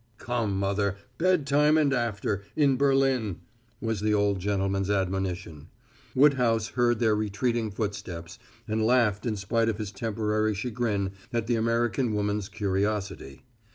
"Come, mother, bedtime and after in Berlin," was the old gentleman's admonition. Woodhouse heard their retreating footsteps, and laughed in spite of his temporary chagrin at the American woman's curiosity.